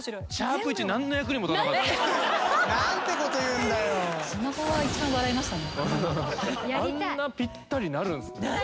あんなぴったりなるんすね。